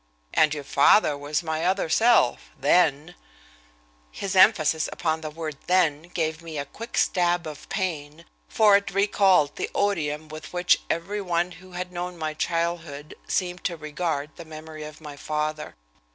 And your father was my other self then " His emphasis upon the word "then" gave me a quick stab of pain, for it recalled the odium with which every one who had known my childhood seemed to regard the memory of my father.